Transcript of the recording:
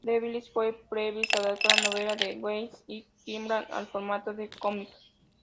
Devils Due Publishing adaptó la novela de Weis y Hickman al formato de cómic.